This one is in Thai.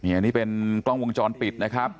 อันนี้เป็นกล้องวงจรปิดนะครับ